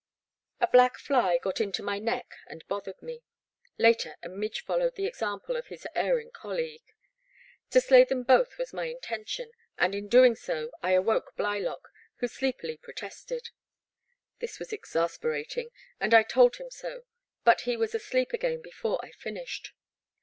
A black fly got into my neck and bothered me; later a midge followed the example of his erring colleague. To slay them both was my intention, and in doing so I awoke Blylock, who sleepily protested. This was exasperating, and I told him so, but he was asleep again before I finished.